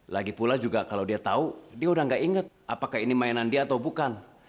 lagipula juga kalo dia tau dia udah ga inget apakah ini mainan dia atau bukan